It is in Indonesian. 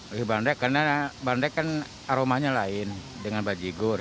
lebih bandrek karena bandrek kan aromanya lain dengan bajigur